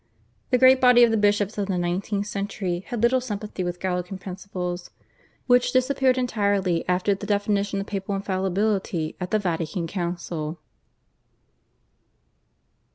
The great body of the bishops of the nineteenth century had little sympathy with Gallican principles, which disappeared entirely after the definition of Papal Infallibility at the Vatican Council.